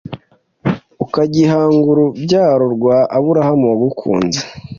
Ukagihag urubyaro rwa aburahamu wagukunze